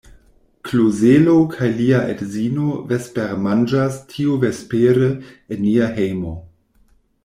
Klozelo kaj lia edzino vespermanĝas tiuvespere en nia hejmo.